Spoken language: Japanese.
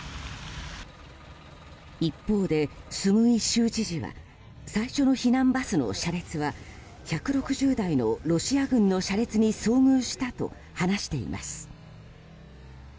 一方でスムイ州知事は最初の避難バスの車列は１６０台のロシア軍の車列に遭遇したと話しています。